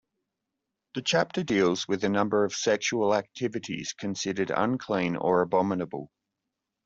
The chapter deals with a number of sexual activities considered unclean or abominable.